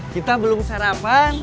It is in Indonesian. kita belum sarapan